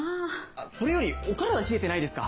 それよりお体冷えてないですか？